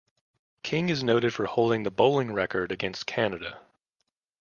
King is noted for holding the bowling record against Canada.